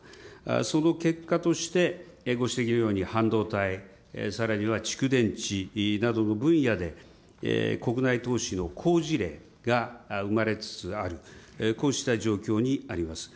その結果として、ご指摘のように半導体、さらには蓄電池などの分野で、国内投資の好事例が生まれつつある、こうした状況にあります。